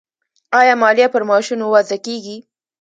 آیا مالیه پر معاشونو وضع کیږي؟